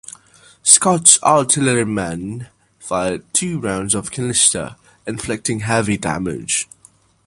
Scott's artillerymen fired two rounds of canister, inflicting heavy damage.